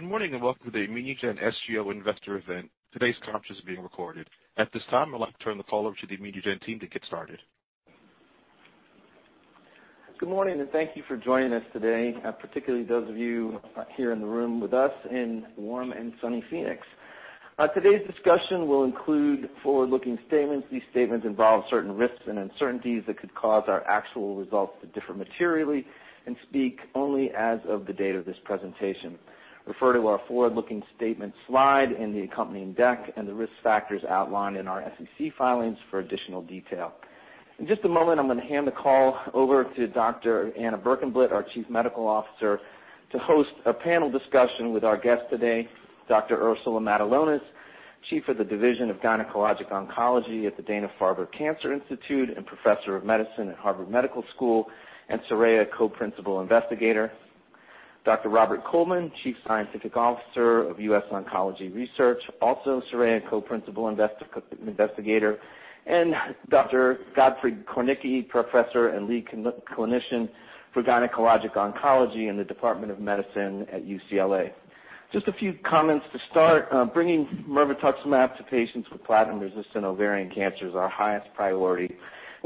Good morning, and welcome to the ImmunoGen SGO Investor event. Today's conference is being recorded. At this time, I'd like to turn the call over to the ImmunoGen team to get started. Good morning, and thank you for joining us today, particularly those of you here in the room with us in warm and sunny Phoenix. Today's discussion will include forward-looking statements. These statements involve certain risks and uncertainties that could cause our actual results to differ materially and speak only as of the date of this presentation. Refer to our forward-looking statement slide in the accompanying deck and the risk factors outlined in our SEC filings for additional detail. In just a moment, I'm going to hand the call over to Dr. Anna Berkenblit, our Chief Medical Officer, to host a panel discussion with our guest today, Dr. Ursula Matulonis, Chief of the Division of Gynecologic Oncology at the Dana-Farber Cancer Institute and Professor of Medicine at Harvard Medical School, and SORAYA Co-Principal Investigator. Dr. Robert Coleman, Chief Scientific Officer of US Oncology Research, also SORAYA and Co-Principal Investigator, and Dr. Gottfried Konecny, Professor and Lead Clinician for Gynecologic Oncology in the Department of Medicine at UCLA. Just a few comments to start. Bringing mirvetuximab to patients with platinum-resistant ovarian cancer is our highest priority.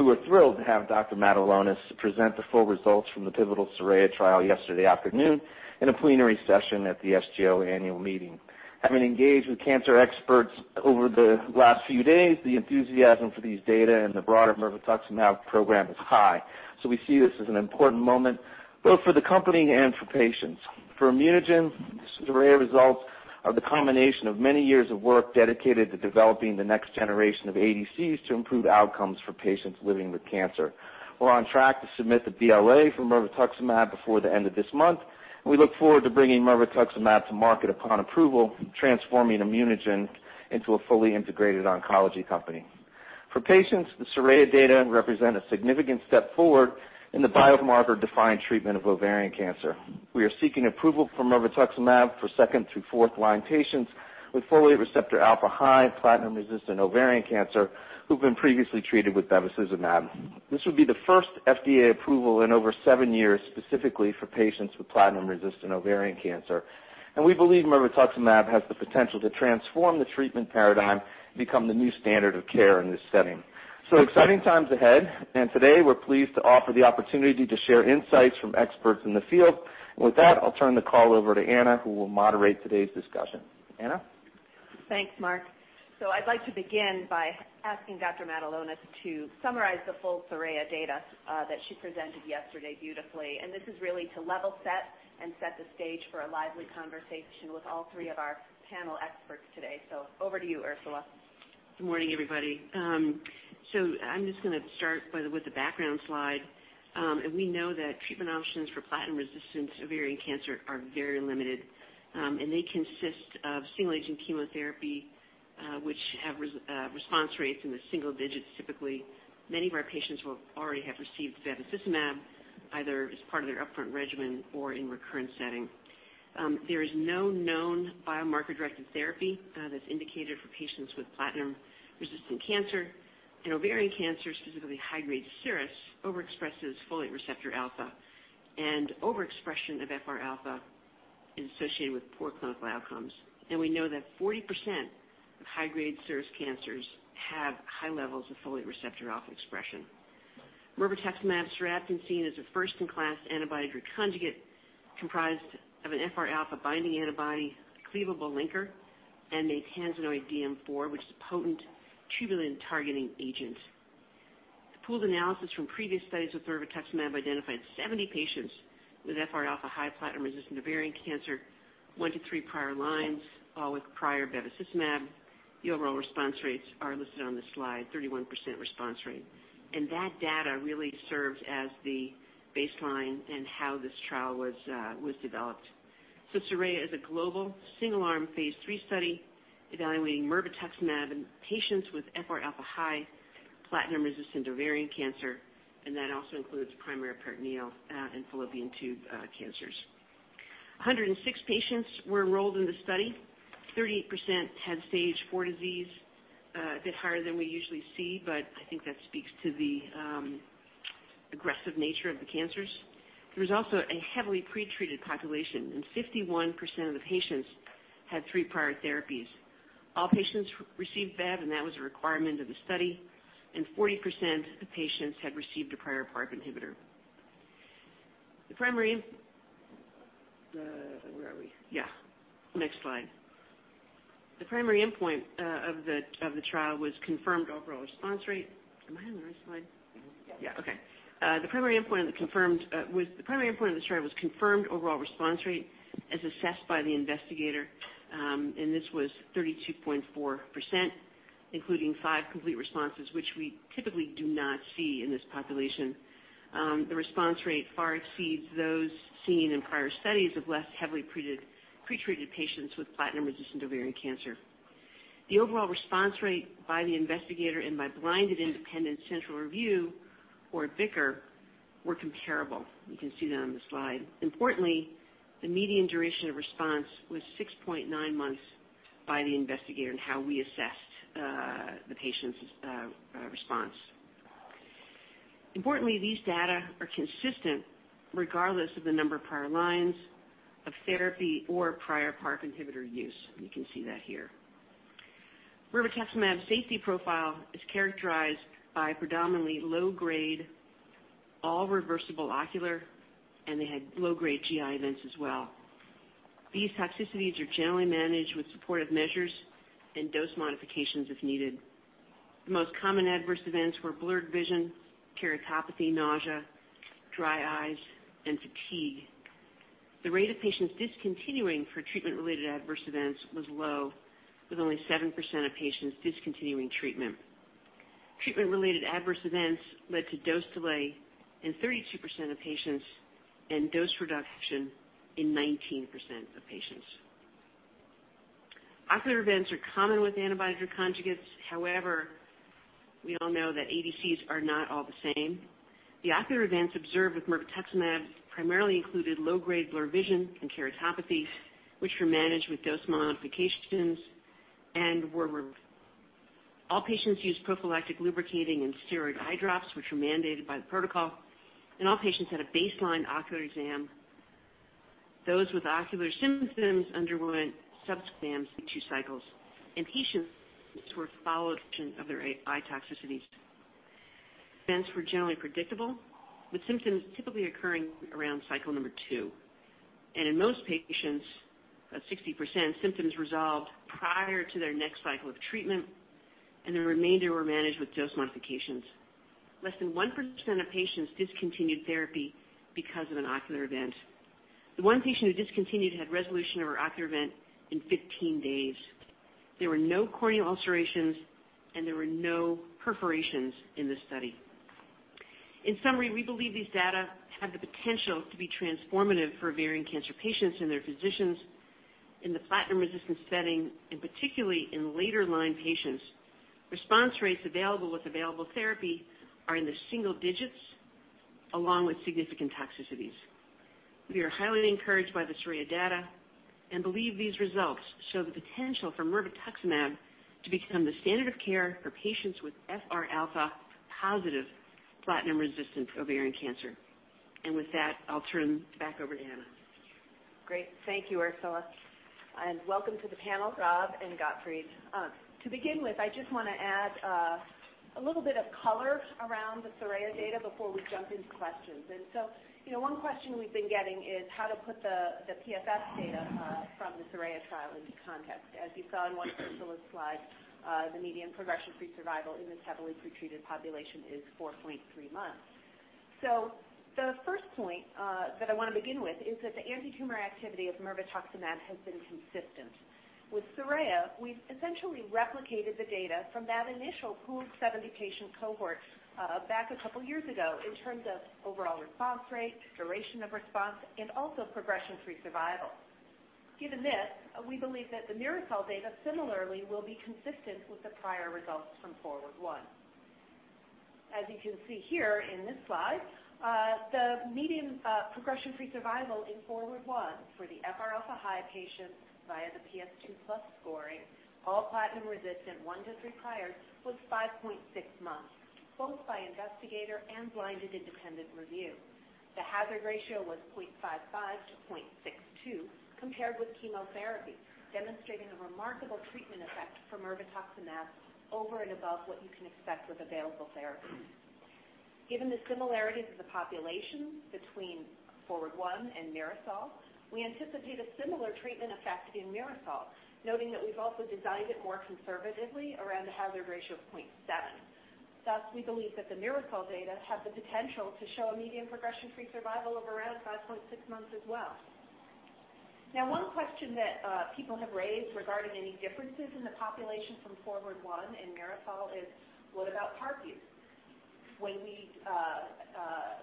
We were thrilled to have Dr. Matulonis present the full results from the pivotal SORAYA trial yesterday afternoon in a plenary session at the SGO annual meeting. Having engaged with cancer experts over the last few days, the enthusiasm for these data and the broader mirvetuximab program is high. We see this as an important moment both for the company and for patients. For ImmunoGen, the SORAYA results are the culmination of many years of work dedicated to developing the next generation of ADCs to improve outcomes for patients living with cancer. We're on track to submit the BLA for mirvetuximab before the end of this month. We look forward to bringing mirvetuximab to market upon approval, transforming ImmunoGen into a fully integrated oncology company. For patients, the SORAYA data represent a significant step forward in the biomarker-defined treatment of ovarian cancer. We are seeking approval for mirvetuximab for second through fourth line patients with folate receptor alpha high platinum-resistant ovarian cancer who've been previously treated with bevacizumab. This would be the first FDA approval in over seven years, specifically for patients with platinum-resistant ovarian cancer. We believe mirvetuximab has the potential to transform the treatment paradigm to become the new standard of care in this setting. Exciting times ahead, and today we're pleased to offer the opportunity to share insights from experts in the field. With that, I'll turn the call over to Anna, who will moderate today's discussion. Anna? Thanks, Mark. I'd like to begin by asking Dr. Matulonis to summarize the full SORAYA data that she presented yesterday beautifully. This is really to level set and set the stage for a lively conversation with all three of our panel experts today. Over to you, Ursula. Good morning, everybody. I'm just gonna start with the background slide. We know that treatment options for platinum-resistant ovarian cancer are very limited, and they consist of single agent chemotherapy, which have response rates in the single digits, typically. Many of our patients will already have received bevacizumab, either as part of their upfront regimen or in recurrent setting. There is no known biomarker-directed therapy, that's indicated for patients with platinum-resistant cancer. Ovarian cancers, specifically high-grade serous, overexpresses folate receptor alpha. Overexpression of FRα is associated with poor clinical outcomes. We know that 40% of high-grade serous cancers have high levels of folate receptor alpha expression. Mirvetuximab soravtansine is a first-in-class antibody conjugate comprised of an FRα binding antibody, a cleavable linker, and a maytansinoid DM4, which is a potent tubulin targeting agent. The pooled analysis from previous studies of mirvetuximab identified 70 patients with FRα high platinum-resistant ovarian cancer, 1 to 3 prior lines, all with prior bevacizumab. The overall response rates are listed on the slide, 31% response rate. That data really serves as the baseline in how this trial was developed. SORAYA is a global single-arm phase III study evaluating mirvetuximab in patients with FRα high platinum-resistant ovarian cancer, and that also includes primary peritoneal and fallopian tube cancers. 106 patients were enrolled in the study. 38% had stage four disease. A bit higher than we usually see, but I think that speaks to the aggressive nature of the cancers. There was also a heavily pretreated population, and 51% of the patients had three prior therapies. All patients received bev, and that was a requirement of the study, and 40% of patients had received a prior PARP inhibitor. Where are we? Yeah, next slide. The primary endpoint of the trial was confirmed overall response rate. Am I on the right slide? Mm-hmm. The primary endpoint of the trial was confirmed overall response rate as assessed by the investigator, and this was 32.4%, including five complete responses, which we typically do not see in this population. The response rate far exceeds those seen in prior studies of less heavily pretreated patients with platinum-resistant ovarian cancer. The overall response rate by the investigator and by blinded independent central review, or BICR, were comparable. You can see that on the slide. Importantly, the median duration of response was 6.9 months by the investigator in how we assessed the patient's response. Importantly, these data are consistent regardless of the number of prior lines of therapy or prior PARP inhibitor use. You can see that here. Mirvetuximab's safety profile is characterized by predominantly low-grade, all reversible ocular, and they had low-grade GI events as well. These toxicities are generally managed with supportive measures and dose modifications if needed. The most common adverse events were blurred vision, keratopathy, nausea, dry eyes, and fatigue. The rate of patients discontinuing for treatment-related adverse events was low, with only 7% of patients discontinuing treatment. Treatment-related adverse events led to dose delay in 32% of patients and dose reduction in 19% of patients. Ocular events are common with antibody conjugates. However, we all know that ADCs are not all the same. The ocular events observed with mirvetuximab primarily included low-grade blurred vision and keratopathy, which were managed with dose modifications and were removed. All patients used prophylactic lubricating and steroid eye drops, which were mandated by the protocol, and all patients had a baseline ocular exam. Those with ocular symptoms underwent sub exams in two cycles, and patients were followed for their eye toxicities. Events were generally predictable, with symptoms typically occurring around cycle number two. In most patients, about 60%, symptoms resolved prior to their next cycle of treatment, and the remainder were managed with dose modifications. Less than 1% of patients discontinued therapy because of an ocular event. The one patient who discontinued had resolution of her ocular event in 15 days. There were no corneal ulcerations, and there were no perforations in this study. In summary, we believe these data have the potential to be transformative for ovarian cancer patients and their physicians in the platinum-resistant setting, and particularly in later-line patients. Response rates available with available therapy are in the single digits, along with significant toxicities. We are highly encouraged by the SORAYA data and believe these results show the potential for mirvetuximab to become the standard of care for patients with FRα-positive platinum-resistant ovarian cancer. With that, I'll turn back over to Anna. Great. Thank you, Ursula. Welcome to the panel, Rob and Gottfried. To begin with, I just want to add a little bit of color around the SORAYA data before we jump into questions. You know, one question we've been getting is how to put the PFS data from the SORAYA trial into context. As you saw in one of Ursula's slides, the median progression-free survival in this heavily pretreated population is 4.3 months. The first point that I want to begin with is that the antitumor activity of mirvetuximab has been consistent. With SORAYA, we've essentially replicated the data from that initial pooled 70-patient cohort back a couple years ago in terms of overall response rate, duration of response, and also progression-free survival. Given this, we believe that the MIRASOL data similarly will be consistent with the prior results from FORWARD I. As you can see here in this slide, the median progression-free survival in FORWARD I for the FR alpha high patients via the PS2+ scoring, all platinum-resistant, one dose required, was 5.6 months, both by investigator and blinded independent review. The hazard ratio was 0.55-0.62 compared with chemotherapy, demonstrating a remarkable treatment effect for mirvetuximab over and above what you can expect with available therapies. Given the similarities of the population between FORWARD I and MIRASOL, we anticipate a similar treatment effect in MIRASOL, noting that we've also designed it more conservatively around the hazard ratio of 0.7. Thus, we believe that the MIRASOL data have the potential to show a median progression-free survival of around 5.6 months as well. Now, one question that people have raised regarding any differences in the population from FORWARD I and MIRASOL is, what about PARP use? When we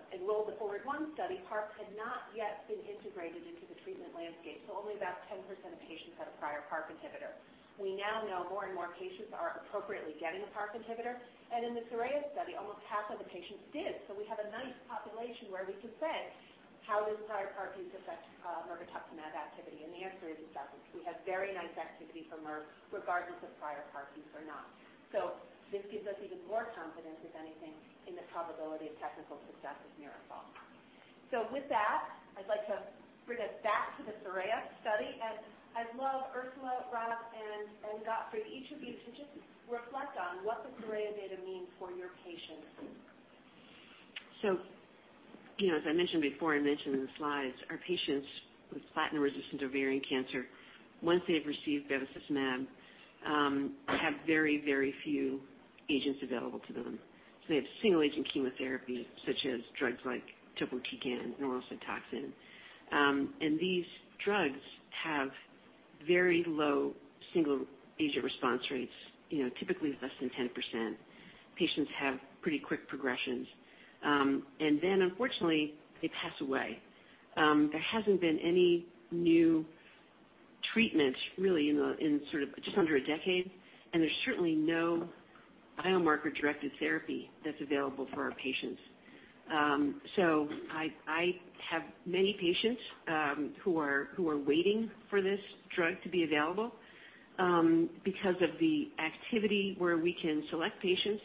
enrolled the FORWARD I study, PARP had not yet been integrated into the treatment landscape, so only about 10% of patients had a prior PARP inhibitor. We now know more and more patients are appropriately getting a PARP inhibitor, and in the SORAYA study, almost half of the patients did. We have a nice population where we can say, how does prior PARP use affect mirvetuximab activity? The answer is it doesn't. We have very nice activity from mirve regardless of prior PARP use or not. This gives us even more confidence, if anything, in the probability of technical success with MIRASOL. With that, I'd like to bring us back to the SORAYA study. I'd love Ursula, Rob, and Gottfried, each of you to just reflect on what the SORAYA data mean for your patients. You know, as I mentioned before and mentioned in the slides, our patients with platinum-resistant ovarian cancer, once they've received bevacizumab, have very, very few agents available to them. They have single-agent chemotherapy, such as drugs like topotecan and irinotecan. These drugs have very low single-agent response rates, you know, typically less than 10%. Patients have pretty quick progressions. Unfortunately, they pass away. There hasn't been any new treatments really in sort of just under a decade, and there's certainly no biomarker-directed therapy that's available for our patients. I have many patients who are waiting for this drug to be available, because of the activity where we can select patients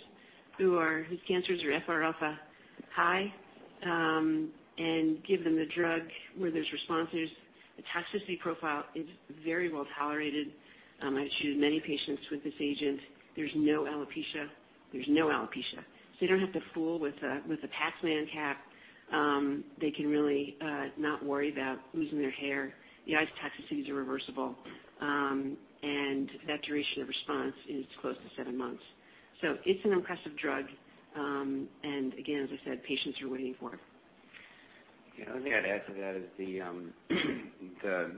whose cancers are FR alpha high, and give them the drug where there's responses. The toxicity profile is very well-tolerated. I've treated many patients with this agent. There's no alopecia. You don't have to fool with the Paxman cap. They can really not worry about losing their hair. The eye's toxicities are reversible. That duration of response is close to seven months. It's an impressive drug, and again, as I said, patients are waiting for it. The only thing I'd add to that is that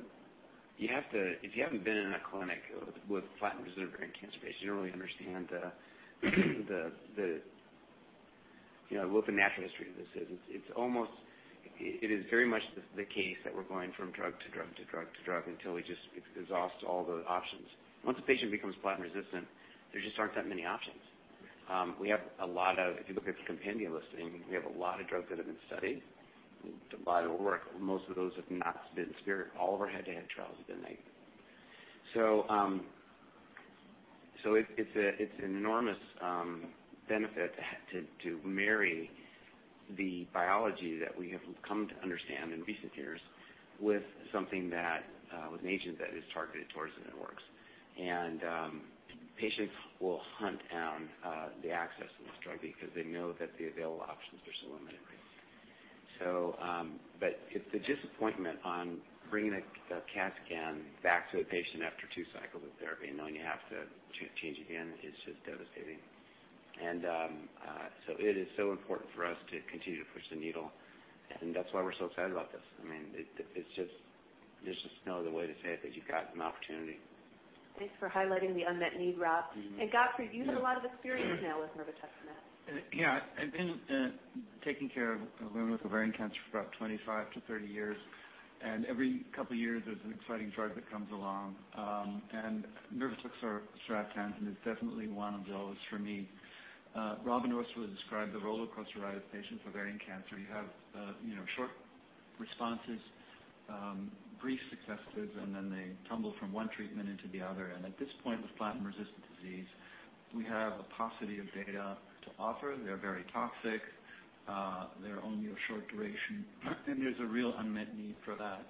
if you haven't been in a clinic with platinum-resistant ovarian cancer patients, you don't really understand the, you know, what the natural history of this is. It's almost. It is very much the case that we're going from drug to drug to drug to drug until it exhausts all the options. Once a patient becomes platinum-resistant, there just aren't that many options. If you look at the compendia listing, we have a lot of drugs that have been studied, but they don't work. Most of those have not been superior. All of our head-to-head trials have been negative. It's an enormous benefit to marry the biology that we have come to understand in recent years with an agent that is targeted towards it and works. Patients will hunt down the access to this drug because they know that the available options are so limited. Right. But it's the disappointment on bringing a CAT scan back to a patient after two cycles of therapy and knowing you have to change again is just devastating. It is so important for us to continue to push the needle, and that's why we're so excited about this. I mean, it's just. There's just no other way to say it, but you've got an opportunity. Thanks for highlighting the unmet need, Rob. Mm-hmm. Gottfried. Yeah. You've had a lot of experience now with mirvetuximab. Yeah. I've been taking care of women with ovarian cancer for about 25-30 years, and every couple years, there's an exciting drug that comes along. Mirvetuximab soravtansine is definitely one of those for me. Rob also described the role of crossover patients with ovarian cancer. You have, you know, short responses, brief successes, and then they tumble from one treatment into the other. At this point, with platinum-resistant disease, we have a paucity of options to offer. They're very toxic. They're only a short duration, and there's a real unmet need for that.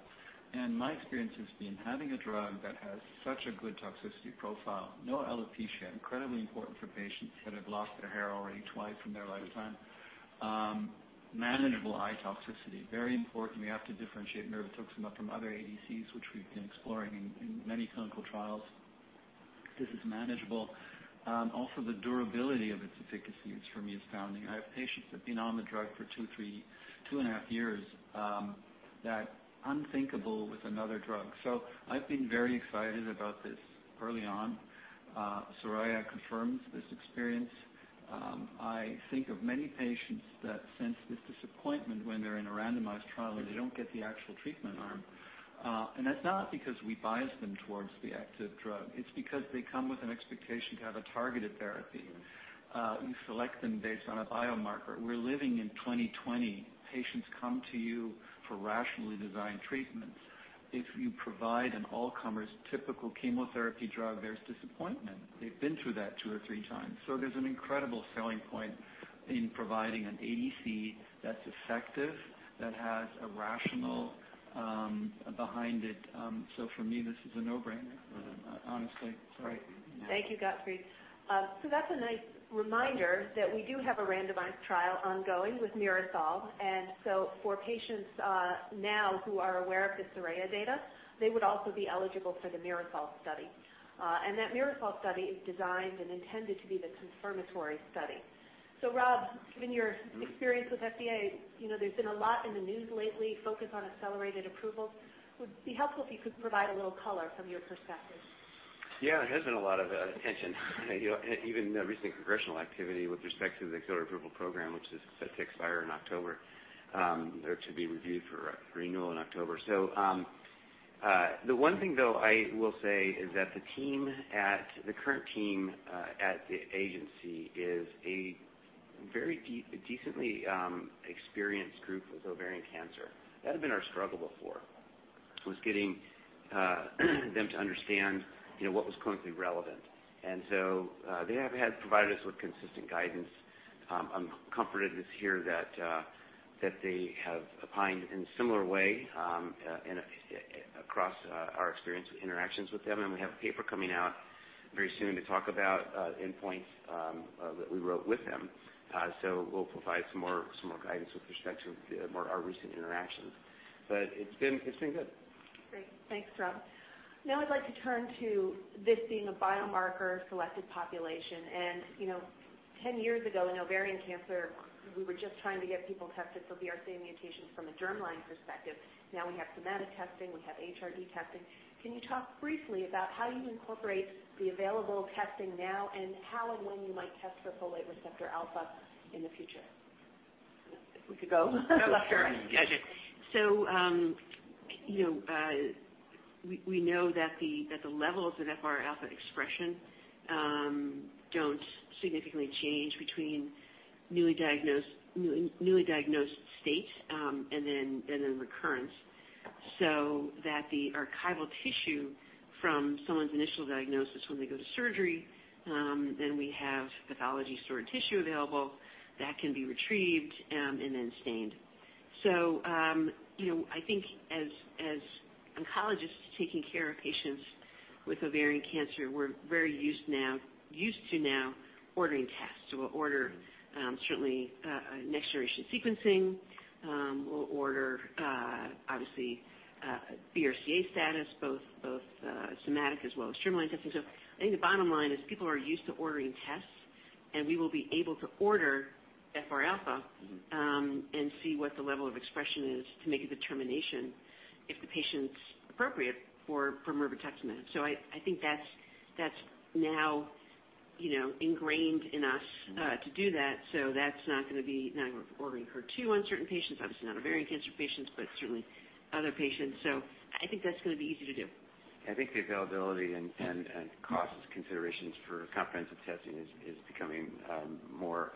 My experience has been having a drug that has such a good toxicity profile, no alopecia, incredibly important for patients that have lost their hair already twice in their lifetime. Manageable eye toxicity, very important. We have to differentiate mirvetuximab from other ADCs, which we've been exploring in many clinical trials. This is manageable. Also the durability of its efficacy, it's for me, astounding. I have patients that have been on the drug for two and a half years, that's unthinkable with another drug. I've been very excited about this early on. SORAYA confirms this experience. I think of many patients that sense this disappointment when they're in a randomized trial and they don't get the actual treatment arm. That's not because we bias them towards the active drug. It's because they come with an expectation to have a targeted therapy. You select them based on a biomarker. We're living in 2020. Patients come to you for rationally designed treatments. If you provide an all-comers typical chemotherapy drug, there's disappointment. They've been through that two or three times. There's an incredible selling point in providing an ADC that's effective, that has a rationale behind it. For me, this is a no-brainer. Mm-hmm. Honestly. Sorry. Thank you, Gottfried. That's a nice reminder that we do have a randomized trial ongoing with MIRASOL. For patients now who are aware of the SORAYA data, they would also be eligible for the MIRASOL study. That MIRASOL study is designed and intended to be the confirmatory study. Rob, given your. Mm-hmm. Experience with FDA, you know, there's been a lot in the news lately focused on accelerated approvals. Would it be helpful if you could provide a little color from your perspective? Yeah, there has been a lot of attention, you know, and even recent congressional activity with respect to the Accelerated Approval Program, which is set to expire in October, or to be reviewed for renewal in October. The one thing, though, I will say is that the current team at the agency is a very decently experienced group with ovarian cancer. That had been our struggle before, was getting them to understand, you know, what was clinically relevant. They have provided us with consistent guidance. I'm comforted this year that they have opined in similar way, and across our experience with interactions with them. We have a paper coming out very soon to talk about endpoints that we wrote with them. We'll provide some more guidance with respect to our recent interactions. It's been good. Great. Thanks, Rob. Now I'd like to turn to this being a biomarker-selected population. You know, 10 years ago in ovarian cancer, we were just trying to get people tested for BRCA mutations from a germline perspective. Now we have somatic testing, we have HRD testing. Can you talk briefly about how you incorporate the available testing now and how and when you might test for folate receptor alpha in the future? If we could go left to right. Oh, sure. Gotcha. You know, we know that the levels of FR alpha expression don't significantly change between newly diagnosed state and then recurrence. That the archival tissue from someone's initial diagnosis when they go to surgery, then we have pathology stored tissue available that can be retrieved and then stained. You know, I think as oncologists taking care of patients with ovarian cancer, we're very used to now ordering tests. We'll order certainly Next Generation Sequencing. We'll order obviously BRCA status, both somatic as well as germline testing. I think the bottom line is people are used to ordering tests, and we will be able to order FR alpha and see what the level of expression is to make a determination if the patient's appropriate for mirvetuximab soravtansine. I think that's now, you know, ingrained in us to do that. That's not gonna be, now we're ordering for two uncertain patients, obviously not ovarian cancer patients, but certainly other patients. I think that's gonna be easy to do. I think the availability and cost considerations for comprehensive testing is becoming more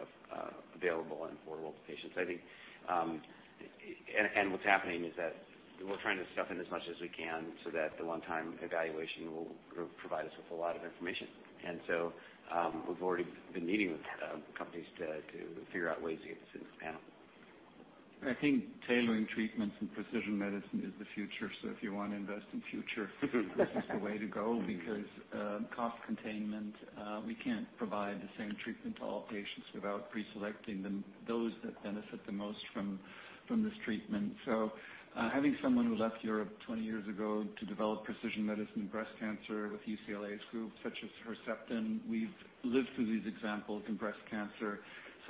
available and affordable to patients. I think and what's happening is that we're trying to stuff in as much as we can so that the one-time evaluation will provide us with a lot of information. We've already been meeting with companies to figure out ways to get this into the panel. I think tailoring treatments and precision medicine is the future. If you want to invest in future this is the way to go because, cost containment, we can't provide the same treatment to all patients without pre-selecting them, those that benefit the most from this treatment. Having someone who left Europe 20 years ago to develop precision medicine in breast cancer with UCLA's group, such as Herceptin, we've lived through these examples in breast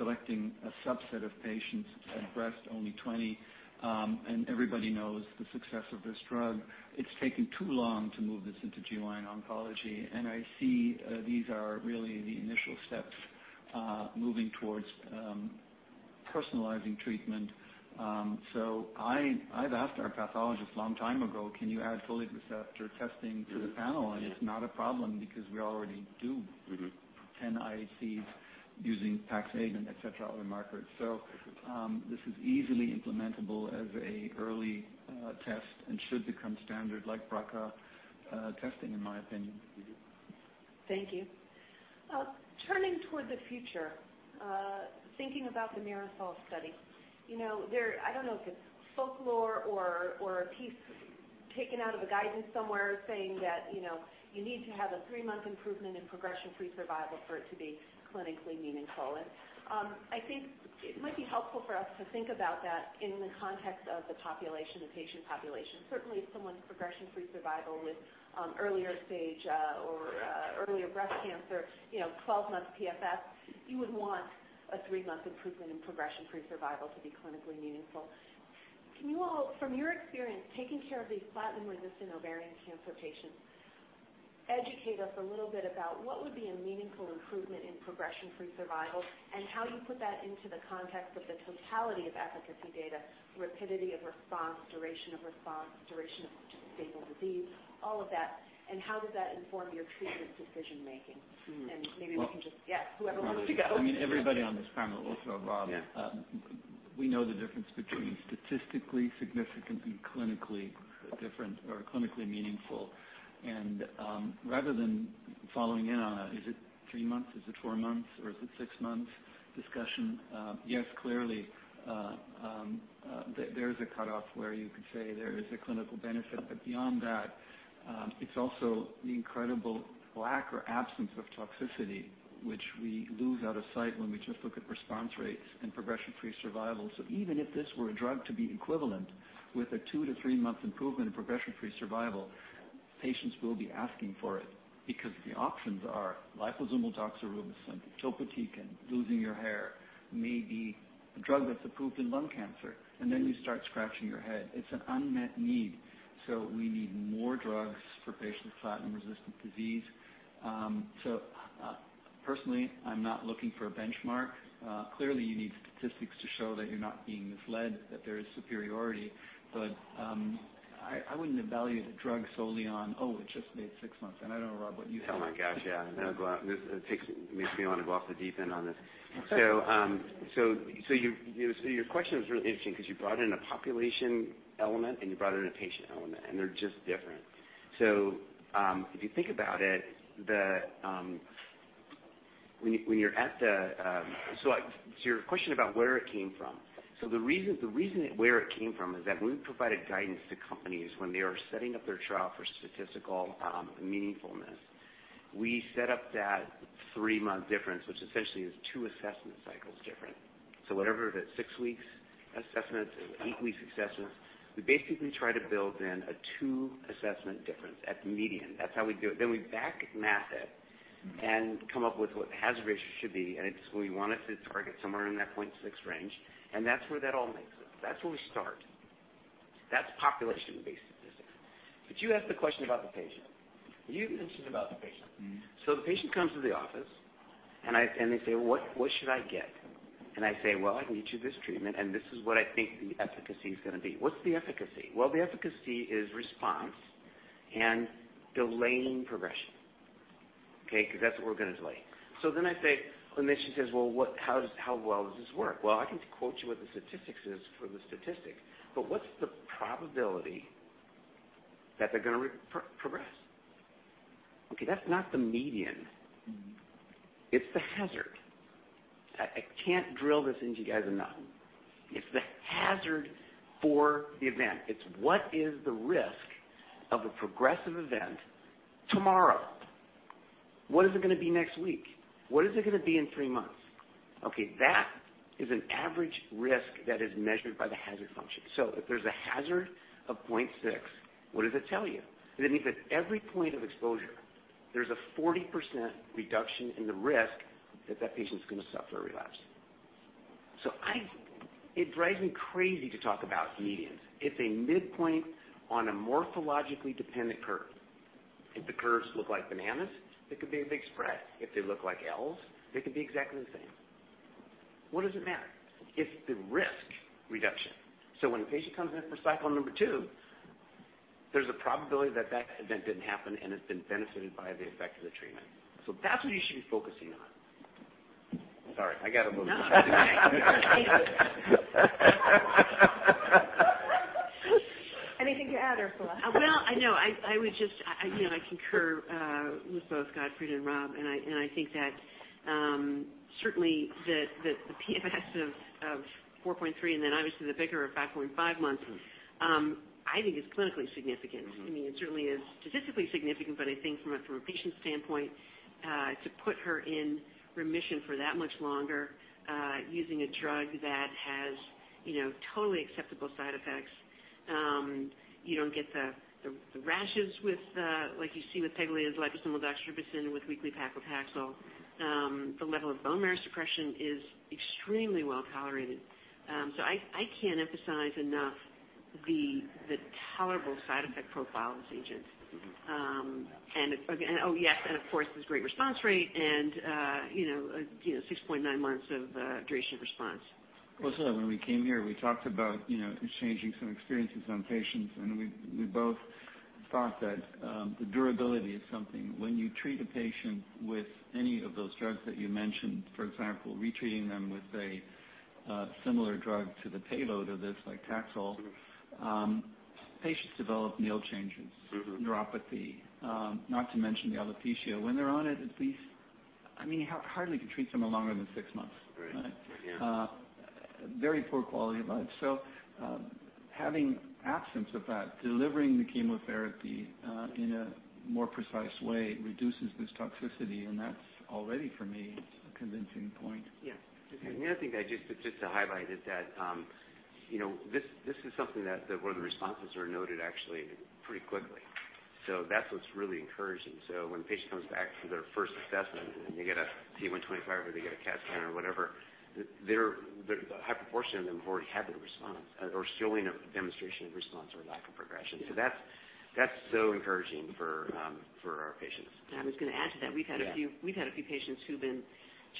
cancer, selecting a subset of patients at breast, only 20, and everybody knows the success of this drug. It's taken too long to move this into GYN oncology. I see, these are really the initial steps, moving towards personalizing treatment. I've asked our pathologist long time ago, "Can you add folate receptor testing to the panel?" It's not a problem because we already do 10 IHCs using PAX8 and et cetera, other markers. This is easily implementable as an early test and should become standard like BRCA testing, in my opinion. Thank you. Turning toward the future, thinking about the MIRASOL study. You know, I don't know if it's folklore or a piece taken out of a guidance somewhere saying that, you know, you need to have a three-month improvement in progression-free survival for it to be clinically meaningful. I think it might be helpful for us to think about that in the context of the population, the patient population. Certainly, someone's progression-free survival with earlier stage or earlier breast cancer, you know, 12 months PFS, you would want a three-month improvement in progression-free survival to be clinically meaningful. Can you all, from your experience taking care of these platinum-resistant ovarian cancer patients, educate us a little bit about what would be a meaningful improvement in progression-free survival and how you put that into the context of the totality of efficacy data, rapidity of response, duration of response, duration of stable disease, all of that. How does that inform your treatment decision-making? Maybe we can just, yeah, whoever wants to go. I mean, everybody on this panel, also Rob. Yeah. We know the difference between statistically significant and clinically different or clinically meaningful. Rather than following in on an is it three months, is it four months, or is it six months discussion, yes, clearly, there is a cutoff where you could say there is a clinical benefit. Beyond that, it's also the incredible lack or absence of toxicity, which we lose out of sight when we just look at response rates and progression-free survival. Even if this were a drug to be equivalent with a two to three-month improvement in progression-free survival, patients will be asking for it because the options are liposomal doxorubicin, topotecan, losing your hair, maybe a drug that's approved in lung cancer, and then you start scratching your head. It's an unmet need. We need more drugs for patients with platinum-resistant disease. Personally, I'm not looking for a benchmark. Clearly, you need statistics to show that you're not being misled, that there is superiority. I wouldn't evaluate a drug solely on, oh, it just made six months. I don't know, Rob, what you think. Oh, my gosh. Yeah. It makes me want to go off the deep end on this. Your question was really interesting because you brought in a population element and you brought in a patient element, and they're just different. If you think about it, your question about where it came from. The reason where it came from is that when we provided guidance to companies, when they are setting up their trial for statistical meaningfulness, we set up that three-month difference, which essentially is 2 assessment cycles different. Whatever, if it's 6 weeks assessment or 8 weeks assessment, we basically try to build in a 2 assessment difference at the median. That's how we do it. We back math it and come up with what the hazard ratio should be. It's. We want it to target somewhere in that 0.6 range. That's where that all makes sense. That's where we start. That's population-based. You asked the question about the patient. You mentioned about the patient. Mm-hmm. The patient comes to the office, and they say, "What should I get?" I say, "Well, I can get you this treatment, and this is what I think the efficacy is gonna be." What's the efficacy? Well, the efficacy is response and delaying progression, okay? 'Cause that's what we're gonna delay. Then she says, "Well, how well does this work?" Well, I can quote you what the statistics is for the statistic, but what's the probability that they're gonna progress? Okay, that's not the median. Mm-hmm. It's the hazard. I can't drill this into you guys enough. It's the hazard for the event. It's what is the risk of a progressive event tomorrow? What is it gonna be next week? What is it gonna be in three months? Okay, that is an average risk that is measured by the hazard function. If there's a hazard of 0.6, what does it tell you? It means that every point of exposure, there's a 40% reduction in the risk that that patient's gonna suffer a relapse. It drives me crazy to talk about medians. It's a midpoint on a morphologically dependent curve. If the curves look like bananas, it could be a big spread. If they look like Ls, they could be exactly the same. What does it matter? It's the risk reduction. When a patient comes in for cycle number two, there's a probability that that event didn't happen, and it's been benefited by the effect of the treatment. That's what you should be focusing on. Sorry, I gotta move on. No. Thank you. Anything to add, Ursula? Well, no. I was just. I, you know, I concur with both Gottfried and Rob, and I think that certainly the PFS of 4.3 and then obviously the bigger of 5.5 months, I think is clinically significant. I mean, it certainly is statistically significant, but I think from a patient standpoint, to put her in remission for that much longer, using a drug that has, you know, totally acceptable side effects, you don't get the rashes with, like you see with pegylated liposomal doxorubicin with weekly paclitaxel. The level of bone marrow suppression is extremely well-tolerated. I can't emphasize enough the tolerable side effect profile of this agent. Of course, there's great response rate and, you know, 6.9 months of duration of response. When we came here, we talked about, you know, exchanging some experiences on patients, and we both thought that the durability is something. When you treat a patient with any of those drugs that you mentioned, for example, retreating them with a similar drug to the payload of this, like Taxol. Mm-hmm. Patients develop nail changes. Mm-hmm. neuropathy, not to mention the alopecia. When they're on it, at least I mean, hardly can treat someone longer than six months. Right. Yeah. Right? Very poor quality of life. Having absence of that, delivering the chemotherapy, in a more precise way reduces this toxicity, and that's already for me a convincing point. Yeah. The other thing that I just to highlight is that this is something that where the responses are noted actually pretty quickly. That's what's really encouraging. When a patient comes back for their first assessment, and they get a CA 125 or they get a CAT scan or whatever, a high proportion of them have already had the response or showing a demonstration of response or lack of progression. Yeah. That's so encouraging for our patients. I was gonna add to that. Yeah. We've had a few patients who've been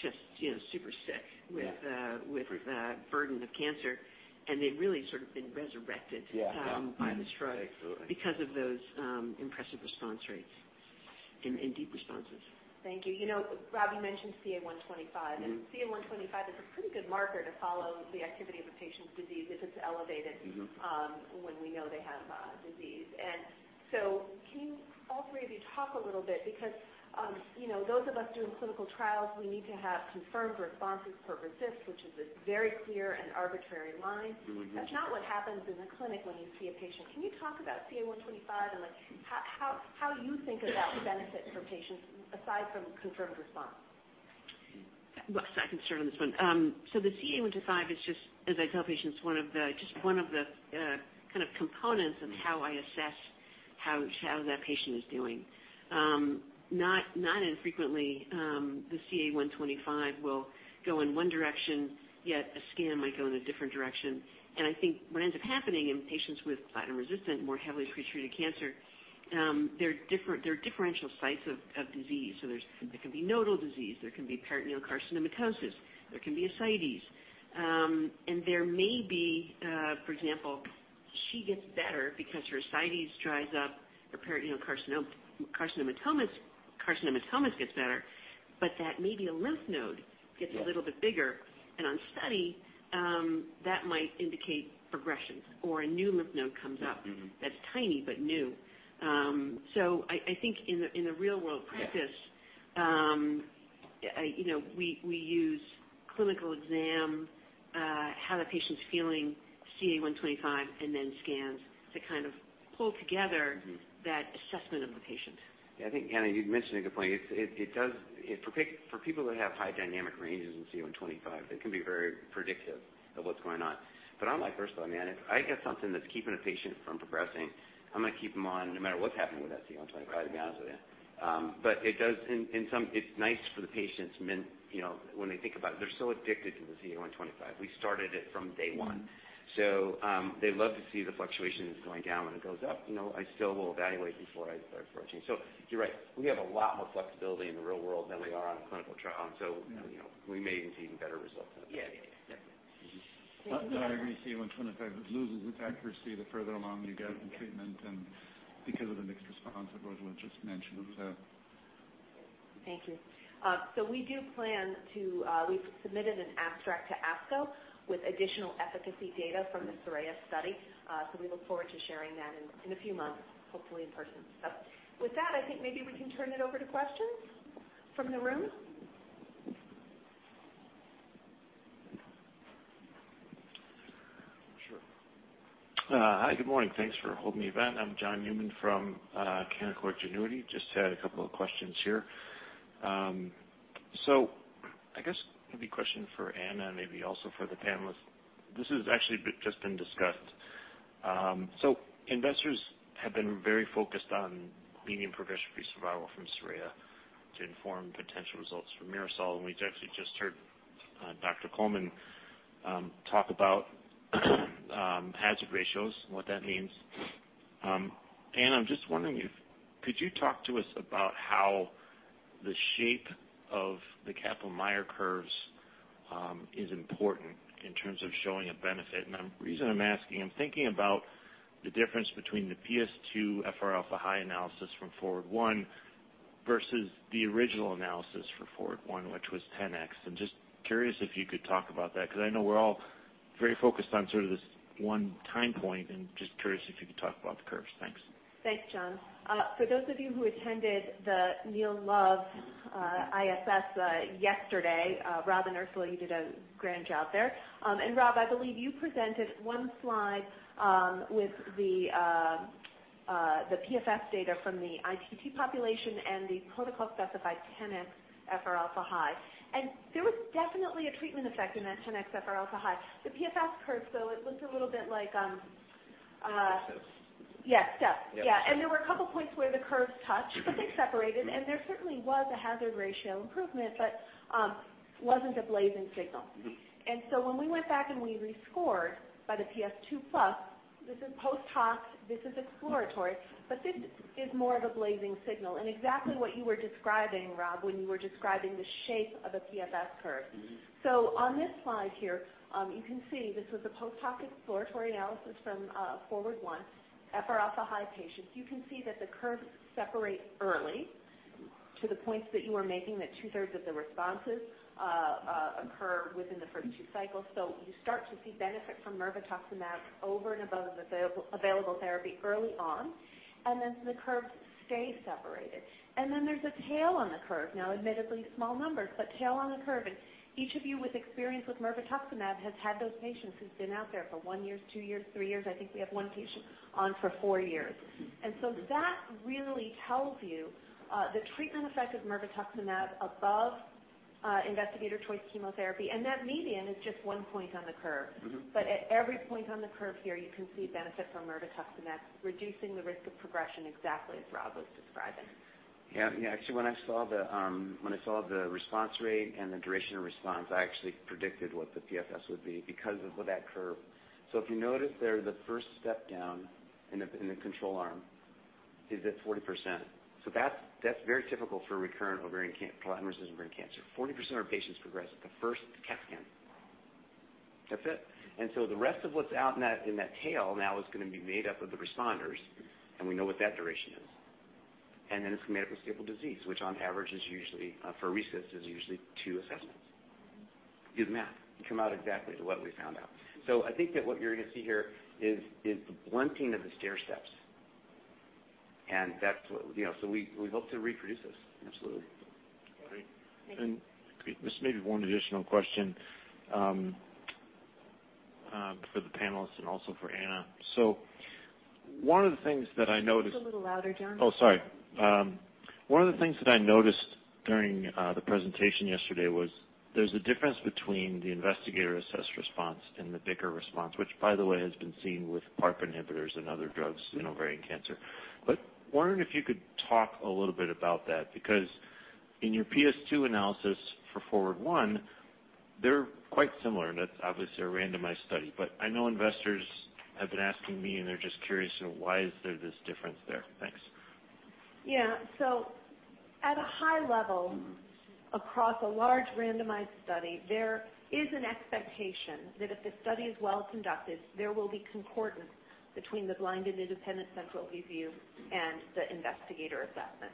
just, you know, super sick. Yeah. -with, uh, with- Right. the burden of cancer, and they've really sort of been resurrected Yeah. Yeah. by this drug Absolutely. because of those impressive response rates and deep responses. Thank you. You know, Rob, you mentioned CA 125. Mm-hmm. CA 125 is a pretty good marker to follow the activity of a patient's disease if it's elevated. Mm-hmm. When we know they have disease, can you, all three of you, talk a little bit because, you know, those of us doing clinical trials, we need to have confirmed responses per RECIST, which is this very clear and arbitrary line. Mm-hmm. That's not what happens in the clinic when you see a patient. Can you talk about CA 125 and, like, how you think about the benefit for patients aside from confirmed response? Well, I can start on this one. The CA 125 is just, as I tell patients, one of the kind of components of how I assess how that patient is doing. Not infrequently, the CA 125 will go in one direction, yet a scan might go in a different direction. I think what ends up happening in patients with platinum-resistant, more heavily pre-treated cancer, there are differential sites of disease. There can be nodal disease, there can be peritoneal carcinomatosis, there can be ascites. There may be, for example, she gets better because her ascites dries up, her peritoneal carcinomatosis gets better, but that may be a lymph node gets- Yeah. a little bit bigger. On study, that might indicate progression or a new lymph node comes up- Mm-hmm. that's tiny but new. I think in the real world practice- Yeah. You know, we use clinical exam, how the patient's feeling, CA 125, and then scans to kind of pull together. Mm-hmm. that assessment of the patient. Yeah. I think, Anna, you've mentioned a good point. It does for people that have high dynamic ranges in CA 125, that can be very predictive of what's going on. But on my personal opinion, if I get something that's keeping a patient from progressing, I'm gonna keep them on no matter what 125, to be honest with you. But it does in some it's nice for the patients, when, you know, when they think about it, they're so addicted to the CA 125. We started it from day one. They love to see the fluctuations going down. When it goes up, you know, I still will evaluate before I start approaching. You're right, we have a lot more flexibility in the real world than we are on a clinical trial. You know, we may even see better results. Yeah. Definitely. Mm-hmm. I agree. CA 125 loses its accuracy the further along you get in treatment and because of the mixed response that Ursula Matulonis just mentioned. Thank you. We've submitted an abstract to ASCO with additional efficacy data from the SORAYA study. We look forward to sharing that in a few months, hopefully in person. With that, I think maybe we can turn it over to questions from the room. Sure. Hi, good morning. Thanks for holding the event. I'm John Newman from Canaccord Genuity. Just had a couple of questions here. I guess maybe a question for Anna and maybe also for the panelists. This has actually just been discussed. Investors have been very focused on median progression-free survival from SORAYA to inform potential results from MIRASOL. We actually just heard Dr. Coleman talk about hazard ratios and what that means. Anna, I'm just wondering if you could talk to us about how the shape of the Kaplan-Meier curves is important in terms of showing a benefit? The reason I'm asking, I'm thinking about the difference between the PS2 FR alpha high analysis from FORWARD I versus the original analysis for FORWARD I, which was 10X. I'm just curious if you could talk about that, 'cause I know we're all very focused on sort of this one time point. Just curious if you could talk about the curves. Thanks. Thanks, John. For those of you who attended the Neil Love ISS yesterday, Rob and Ursula did a grand job there. Rob, I believe you presented one slide with the PFS data from the ITT population and the protocol-specified 10X FRα high. There was definitely a treatment effect in that 10X FRα high. The PFS curve though, it looked a little bit like PFS. Yeah, step. Yeah. Yeah. There were a couple points where the curves touched. Mm-hmm. They separated, and there certainly was a hazard ratio improvement, but wasn't a blazing signal. Mm-hmm. When we went back and we rescored by the PS2+, this is post-hoc, this is exploratory, but this is more of a blazing signal and exactly what you were describing, Rob, when you were describing the shape of a PFS curve. Mm-hmm. On this slide here, you can see this was a post-hoc exploratory analysis from FORWARD I, FRα high patients. You can see that the curves separate early to the points that you were making, that two-thirds of the responses occur within the first two cycles. You start to see benefit from mirvetuximab over and above the available therapy early on, and then the curves stay separated. Then there's a tail on the curve. Now, admittedly small numbers, but tail on the curve. Each of you with experience with mirvetuximab has had those patients who've been out there for one years, two years, three years. I think we have one patient on for four years. Mm-hmm. That really tells you the treatment effect of mirvetuximab above investigator choice chemotherapy. That median is just one point on the curve. Mm-hmm. At every point on the curve here, you can see benefit from mirvetuximab reducing the risk of progression exactly as Rob was describing. Actually, when I saw the response rate and the duration of response, I actually predicted what the PFS would be because of that curve. If you notice there, the first step down in the control arm is at 40%. That's very typical for recurrent, platinum-resistant ovarian cancer. 40% of patients progress at the first CAT scan. That's it. The rest of what's out in that tail now is gonna be made up of the responders, and we know what that duration is. Then it's made up of stable disease, which on average is usually for recurrent, two assessments. Do the math. You come out exactly to what we found out. I think that what you're gonna see here is the blunting of the stairsteps, and that's what you know, we hope to reproduce this. Absolutely. Great. Thank you. Just maybe one additional question for the panelists and also for Anna. One of the things that I noticed. Just a little louder, John. One of the things that I noticed during the presentation yesterday was there's a difference between the investigator-assessed response and the BICR response, which by the way, has been seen with PARP inhibitors and other drugs in ovarian cancer. Wondering if you could talk a little bit about that, because in your PS2+ analysis for FORWARD I, they're quite similar, and that's obviously a randomized study. I know investors have been asking me, and they're just curious, you know, why is there this difference there? Thanks. Yeah. At a high level. Mm-hmm. Across a large randomized study, there is an expectation that if the study is well conducted, there will be concordance between the blinded independent central review and the investigator assessment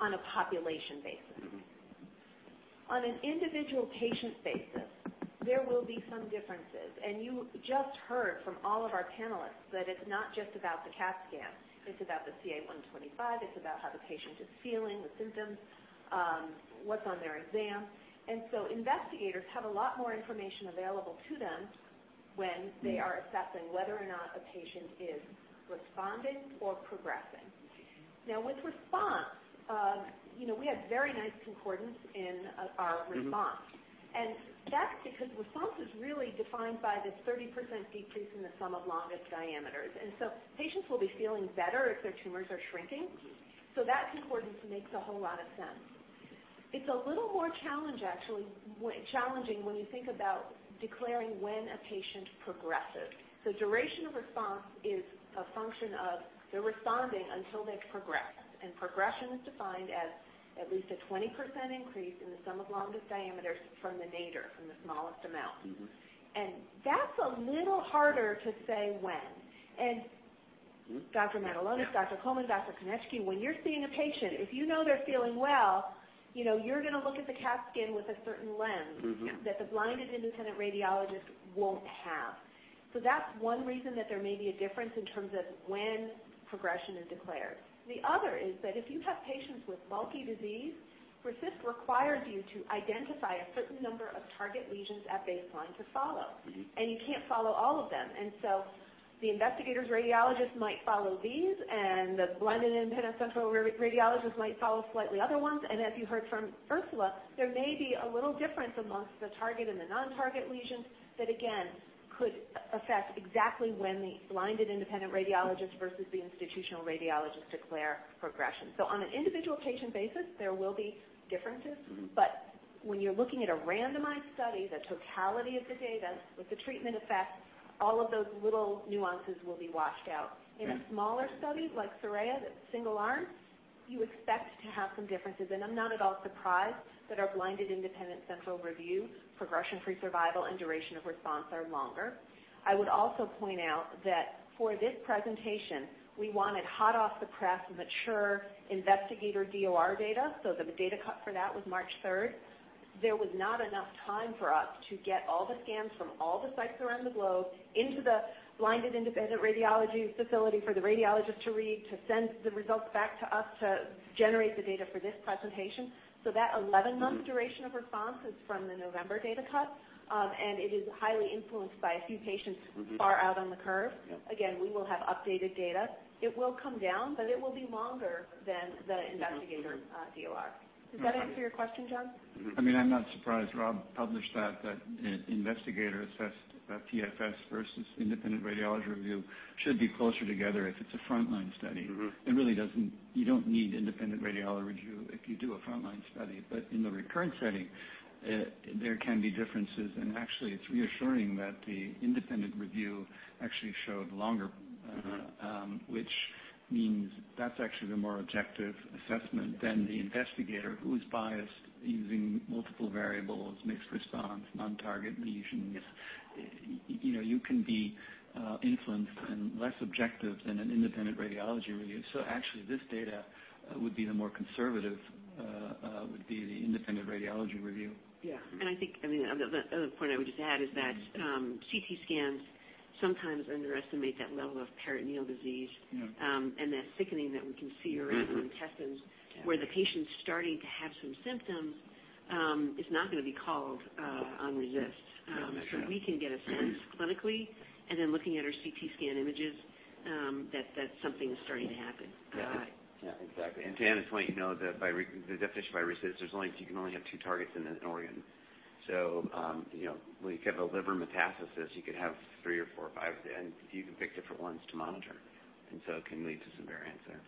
on a population basis. Mm-hmm. On an individual patient basis, there will be some differences. You just heard from all of our panelists that it's not just about the CAT scan, it's about the CA 125, it's about how the patient is feeling, the symptoms, what's on their exam. Investigators have a lot more information available to them when they are assessing whether or not a patient is responding or progressing. Mm-hmm. Now, when we're. You know, we have very nice concordance in our. Mm-hmm. Response. That's because response is really defined by this 30% decrease in the sum of longest diameters. Patients will be feeling better if their tumors are shrinking. That concordance makes a whole lot of sense. It's a little more challenging when you think about declaring when a patient progresses. Duration of response is a function of they're responding until they've progressed. Progression is defined as at least a 20% increase in the sum of longest diameters from the nadir, from the smallest amount. Mm-hmm. That's a little harder to say when. Mm-hmm. Dr. Matulonis. Yeah. Dr. Coleman, Dr. Konecny, when you're seeing a patient, if you know they're feeling well, you know, you're gonna look at the CAT scan with a certain lens. Mm-hmm. That the blinded independent radiologist won't have. That's one reason that there may be a difference in terms of when progression is declared. The other is that if you have patients with bulky disease, RECIST requires you to identify a certain number of target lesions at baseline to follow. Mm-hmm. You can't follow all of them. The investigator's radiologist might follow these, and the blinded independent central radiologist might follow slightly other ones. As you heard from Ursula, there may be a little difference among the target and the non-target lesions that again could affect exactly when the blinded independent radiologist versus the institutional radiologist declare progression. On an individual patient basis, there will be differences. Mm-hmm. When you're looking at a randomized study, the totality of the data with the treatment effect, all of those little nuances will be washed out. Yeah. In a smaller study like SORAYA that's single arm, you expect to have some differences. I'm not at all surprised that our blinded independent central review, progression-free survival and duration of response are longer. I would also point out that for this presentation, we wanted hot-off-the-press, mature investigator DOR data, so the data cut for that was March third. There was not enough time for us to get all the scans from all the sites around the globe into the blinded independent radiology facility for the radiologist to read, to send the results back to us to generate the data for this presentation. That 11-month. Mm-hmm. Duration of response is from the November data cut. It is highly influenced by a few patients. Mm-hmm. Far out on the curve. Yeah. Again, we will have updated data. It will come down, but it will be longer than the investigator. Okay. DOR. Okay. Does that answer your question, John? Mm-hmm. I mean, I'm not surprised Robert published that investigator-assessed PFS versus independent radiology review should be closer together if it's a frontline study. Mm-hmm. You don't need independent radiology review if you do a frontline study. In the recurrent setting, there can be differences. Actually, it's reassuring that the independent review actually showed longer. Mm-hmm. Which means that's actually the more objective assessment than the investigator who's biased using multiple variables, mixed response, non-target lesions. You know, you can be influenced and less objective than an independent radiology review. Actually, this data would be the independent radiology review. Yeah. I think, I mean, the other point I would just add is that CT scans sometimes underestimate that level of peritoneal disease. Yeah. That thickening that we can see. Mm-hmm. Around the intestines. Yeah. Where the patient's starting to have some symptoms is not gonna be called on RECIST. Yeah. We can get a sense clinically and then looking at our CT scan images, that something is starting to happen. Yeah. Yeah, exactly. To Anna's point, you know, the definition by RECIST, you can only have two targets in an organ. You know, when you have a liver metastasis, you could have three or four or five, and you can pick different ones to monitor. It can lead to some variance there.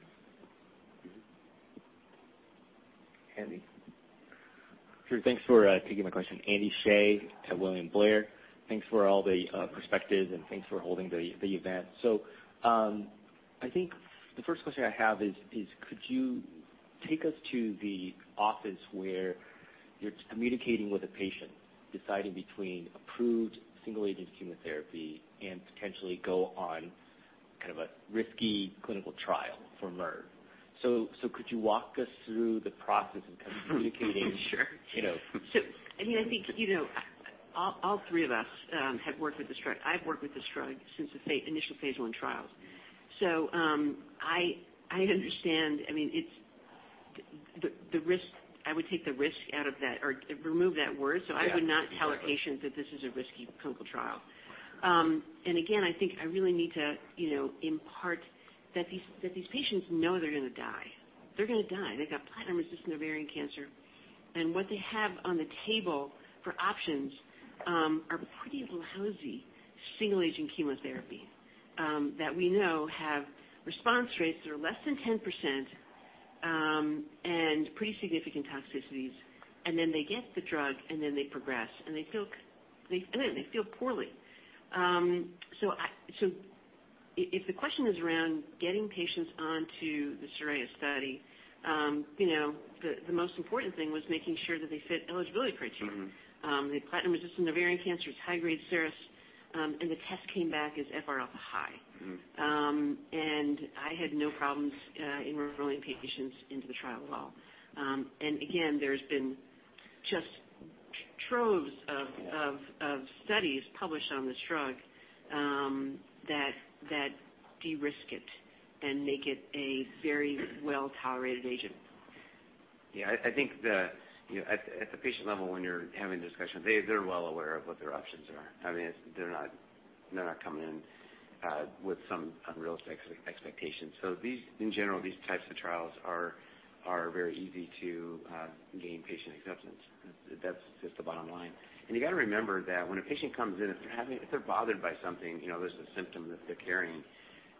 Mm-hmm. Andy? Sure. Thanks for taking my question. Andy Hsieh at William Blair. Thanks for all the perspectives, and thanks for holding the event. I think the first question I have is could you take us to the office where you're communicating with a patient deciding between approved single-agent chemotherapy and potentially go on kind of a risky clinical trial for mirve? Could you walk us through the process of kind of communicating. Sure. You know. I mean, I think, you know, all three of us have worked with this drug. I've worked with this drug since the initial phase I trials. I understand. I mean, it's the risk. I would take the risk out of that or remove that word. Yeah. Exactly. I would not tell a patient that this is a risky clinical trial. Again, I think I really need to, you know, impart that these patients know they're gonna die. They're gonna die. They've got platinum-resistant ovarian cancer. What they have on the table for options are pretty lousy single-agent chemotherapy that we know have response rates that are less than 10%, and pretty significant toxicities. Then they get the drug, and then they progress, and they feel poorly. If the question is around getting patients onto the SORAYA study, you know, the most important thing was making sure that they fit eligibility criteria. Mm-hmm. The platinum-resistant ovarian cancer is high-grade serous, and the test came back as FR alpha high. Mm-hmm. I had no problems in referring patients into the trial at all. Again, there's been just troves of studies published on this drug that de-risk it and make it a very well-tolerated agent. Yeah. I think. You know, at the patient level, when you're having the discussion, they're well aware of what their options are. I mean, they're not. They're not coming in with some unrealistic expectations. These types of trials are very easy to gain patient acceptance. That's just the bottom line. You gotta remember that when a patient comes in, if they're bothered by something, you know, there's a symptom that they're carrying,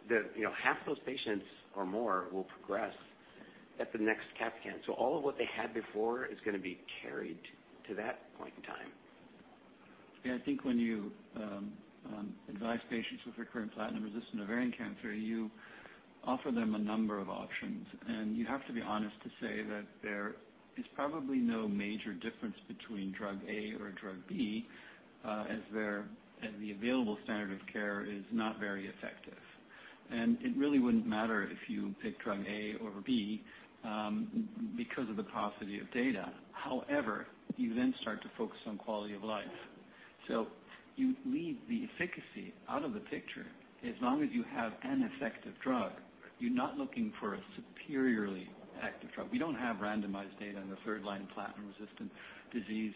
you know, half those patients or more will progress at the next CT scan. All of what they had before is gonna be carried to that point in time. Yeah, I think when you advise patients with recurrent platinum-resistant ovarian cancer, you offer them a number of options. You have to be honest to say that there is probably no major difference between drug A or drug B, as the available standard of care is not very effective. It really wouldn't matter if you pick drug A over B, because of the paucity of data. However, you then start to focus on quality of life. You leave the efficacy out of the picture. As long as you have an effective drug, you're not looking for a superiorly active drug. We don't have randomized data in the third-line platinum-resistant disease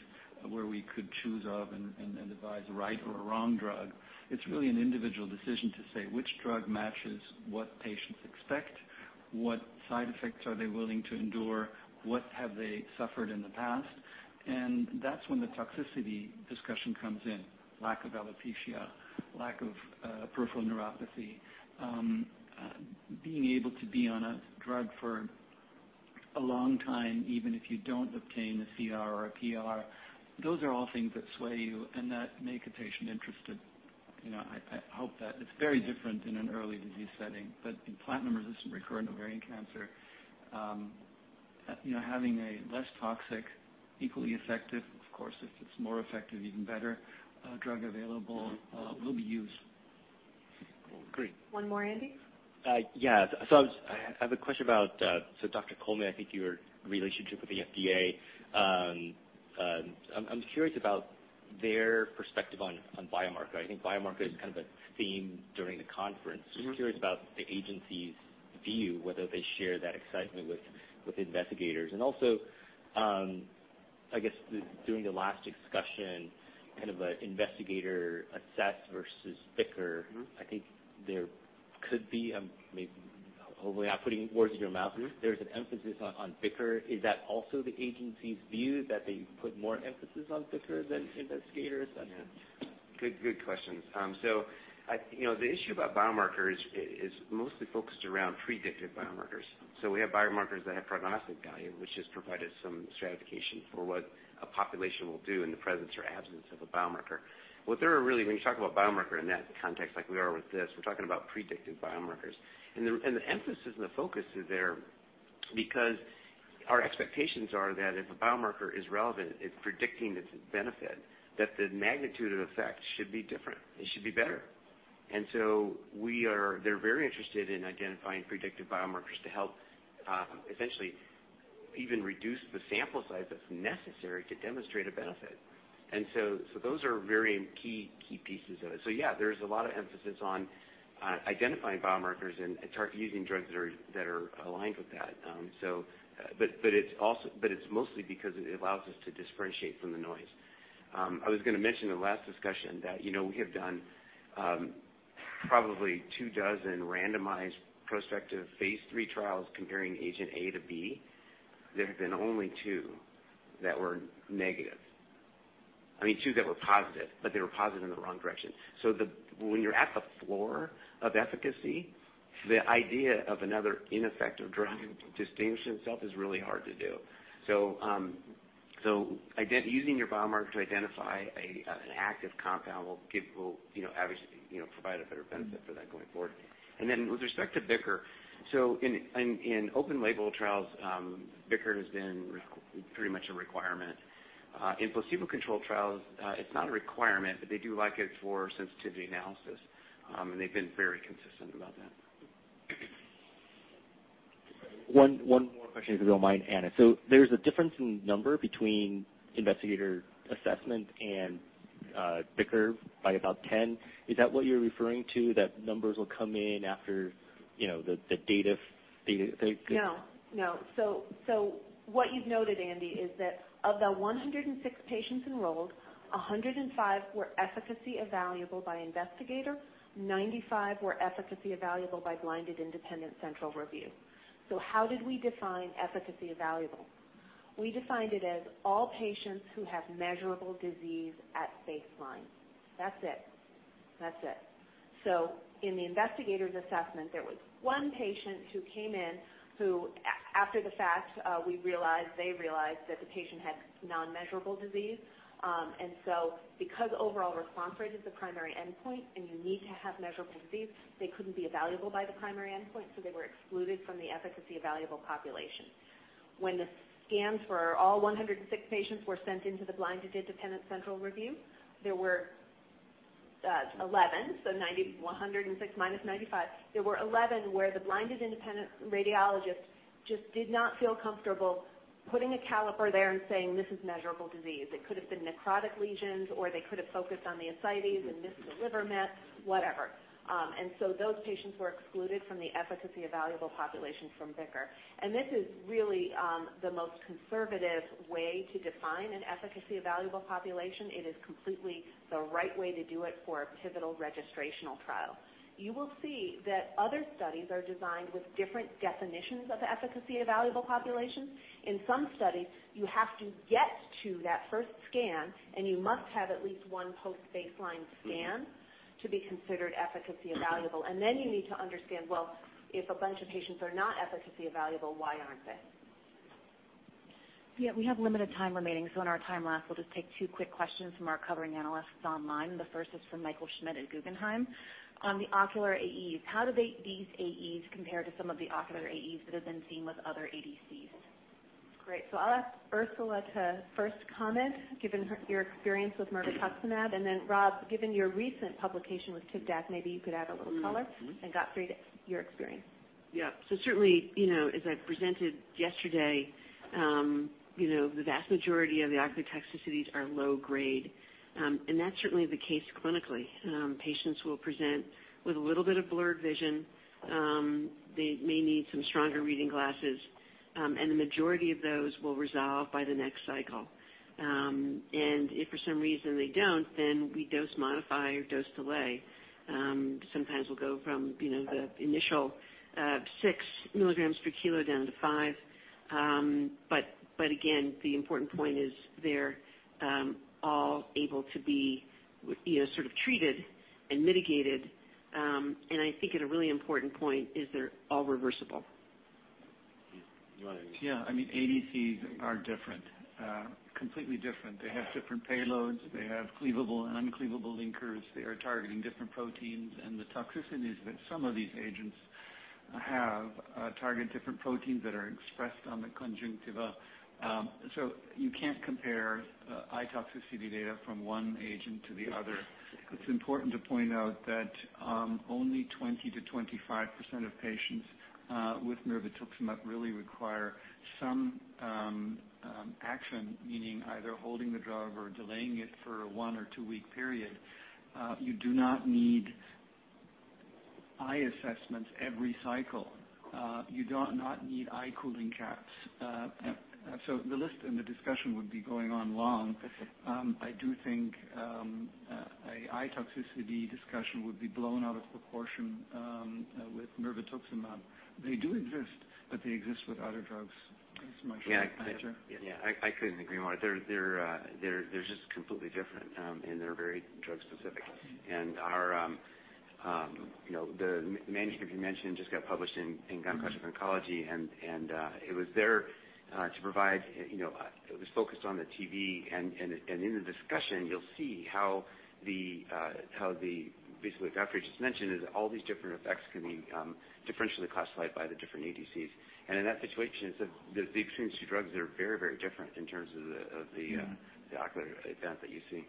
where we could choose one and advise a right or a wrong drug. It's really an individual decision to say which drug matches what patients expect, what side effects are they willing to endure, what have they suffered in the past. That's when the toxicity discussion comes in, lack of alopecia, lack of peripheral neuropathy. Being able to be on a drug for a long time, even if you don't obtain a CR or a PR. Those are all things that sway you and that make a patient interested. You know, I hope that it's very different in an early disease setting. In platinum-resistant recurrent ovarian cancer, you know, having a less toxic, equally effective, of course, if it's more effective even better, drug available, will be used. Agreed. One more, Andy? I have a question about so Dr. Coleman, I think your relationship with the FDA. I'm curious about their perspective on biomarker. I think biomarker is kind of a theme during the conference. Mm-hmm. Just curious about the agency's view, whether they share that excitement with investigators. Also, I guess during the last discussion, kind of an investigator assess versus BICR. Mm-hmm. I think there could be, maybe, hopefully I'm putting words in your mouth. Mm-hmm. There's an emphasis on BICR. Is that also the agency's view that they put more emphasis on BICR than investigators? Yeah. Good questions. The issue about biomarkers is mostly focused around predictive biomarkers. We have biomarkers that have prognostic value, which has provided some stratification for what a population will do in the presence or absence of a biomarker. When you talk about biomarker in that context like we are with this, we're talking about predictive biomarkers. The emphasis and the focus is there because our expectations are that if a biomarker is relevant, it's predicting its benefit, that the magnitude of effect should be different. It should be better. They're very interested in identifying predictive biomarkers to help essentially even reduce the sample size that's necessary to demonstrate a benefit. Those are very key pieces of it. Yeah, there's a lot of emphasis on identifying biomarkers and using drugs that are aligned with that. It's mostly because it allows us to differentiate from the noise. I was gonna mention the last discussion that, you know, we have done probably 24 randomized prospective phase III trials comparing agent A to B. There have been only two that were negative. I mean, two that were positive, but they were positive in the wrong direction. When you're at the floor of efficacy, the idea of another ineffective drug distinguishing itself is really hard to do. Using your biomarker to identify an active compound will, you know, obviously, you know, provide a better benefit for that going forward. With respect to BICR, in open label trials, BICR has been pretty much a requirement. In placebo-controlled trials, it's not a requirement, but they do like it for sensitivity analysis. They've been very consistent about that. One more question if you don't mind, Anna. There's a difference in number between investigator assessment and BICR by about 10. Is that what you're referring to? That numbers will come in after the data. No, no. What you've noted, Andy, is that of the 106 patients enrolled, 105 were efficacy evaluable by investigator. 95 were efficacy evaluable by Blinded Independent Central Review. How did we define efficacy evaluable? We defined it as all patients who have measurable disease at baseline. That's it. In the investigator's assessment, there was one patient who came in who, after the fact, we realized, they realized that the patient had non-measurable disease. Because overall response rate is the primary endpoint and you need to have measurable disease, they couldn't be evaluable by the primary endpoint, so they were excluded from the efficacy evaluable population. When the scans for all 106 patients were sent into the Blinded Independent Central Review, there were 11. 106 minus 95. There were 11 where the blinded independent radiologist just did not feel comfortable putting a caliper there and saying this is measurable disease. It could have been necrotic lesions or they could have focused on the ascites and missed the liver met, whatever. Those patients were excluded from the efficacy-evaluable population from BICR. This is really the most conservative way to define an efficacy-evaluable population. It is completely the right way to do it for a pivotal registrational trial. You will see that other studies are designed with different definitions of efficacy-evaluable populations. In some studies, you have to get to that first scan, and you must have at least one post-baseline scan to be considered efficacy-evaluable. Then you need to understand, well, if a bunch of patients are not efficacy-evaluable, why aren't they? Yeah, we have limited time remaining, so in our time lapse, we'll just take two quick questions from our covering analysts online. The first is from Michael Schmidt at Guggenheim. On the ocular AEs, how do these AEs compare to some of the ocular AEs that have been seen with other ADCs? Great. I'll ask Ursula to first comment, given her, your experience with mirvetuximab. Then Rob, given your recent publication with Tivdak, maybe you could add a little color. Gottfried, your experience. Yeah. Certainly, you know, as I presented yesterday, you know, the vast majority of the ocular toxicities are low-grade, and that's certainly the case clinically. Patients will present with a little bit of blurred vision. They may need some stronger reading glasses, and the majority of those will resolve by the next cycle. And if for some reason they don't, then we dose modify or dose delay. Sometimes we'll go from, you know, the initial, 6 milligrams per kilo down to 5. But again, the important point is they're all able to be, you know, sort of treated and mitigated. And I think a really important point is they're all reversible. You want to. Yeah. I mean, ADCs are different, completely different. They have different payloads. They have cleavable and uncleavable linkers. They are targeting different proteins. The toxicities that some of these agents have target different proteins that are expressed on the conjunctiva. You can't compare eye toxicity data from one agent to the other. It's important to point out that only 20%-25% of patients with mirvetuximab really require some action, meaning either holding the drug or delaying it for one- or two-week period. You do not need eye assessments every cycle. You do not need eye cooling caps. The list and the discussion would be going on long. I do think a eye toxicity discussion would be blown out of proportion with mirvetuximab. They do exist, but they exist with other drugs is my short answer. Yeah. I couldn't agree more. They're just completely different, and they're very drug specific. You know, the manuscript you mentioned just got published in Gynecologic Oncology, and it was there to provide, you know, it was focused on the Tivdak, and in the discussion you'll see how basically what Gottfried just mentioned is all these different effects can be differentially classified by the different ADCs. In that situation, the extremes of the drugs are very, very different in terms of the ocular event that you see.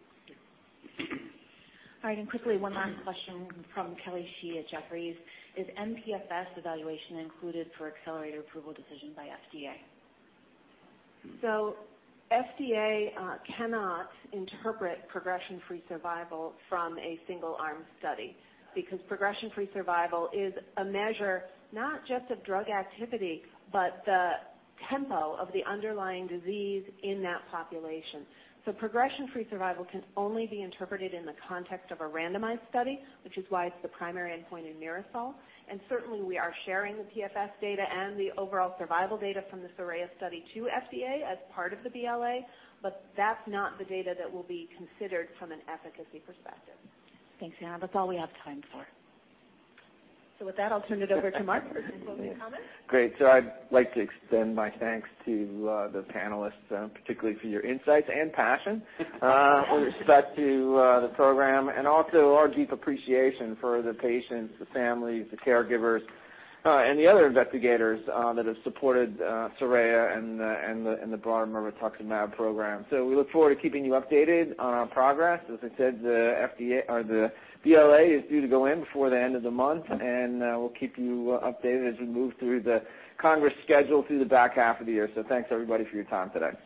All right. Quickly, one last question from Kelly Shi at Jefferies. Is mPFS evaluation included for Accelerated Approval decision by FDA? FDA cannot interpret progression-free survival from a single-arm study because progression-free survival is a measure not just of drug activity, but the tempo of the underlying disease in that population. Progression-free survival can only be interpreted in the context of a randomized study, which is why it's the primary endpoint in MIRASOL. Certainly, we are sharing the PFS data and the overall survival data from the SORAYA study to FDA as part of the BLA, but that's not the data that will be considered from an efficacy perspective. Thanks, Anna. That's all we have time for. With that, I'll turn it over to Mark for some closing comments. Great. I'd like to extend my thanks to the panelists, particularly for your insights and passion with respect to the program and also our deep appreciation for the patients, the families, the caregivers, and the other investigators that have supported SORAYA and the broader mirvetuximab program. We look forward to keeping you updated on our progress. As I said, the BLA to the FDA is due to go in before the end of the month, and we'll keep you updated as we move through the Congress schedule through the back half of the year. Thanks everybody for your time today.